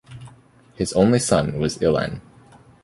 His only son was Illann.